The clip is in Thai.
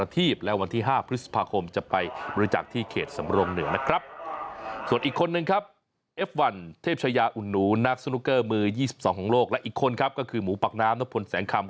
เทพชายาอุ่นหนูนักสุนุกเกอร์มือ๒๒ของโลกและอีกคนครับก็คือหมูปักน้ำนบคลแสงคล่ำ